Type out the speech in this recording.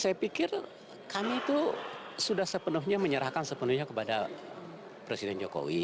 saya pikir kami itu sudah sepenuhnya menyerahkan sepenuhnya kepada presiden jokowi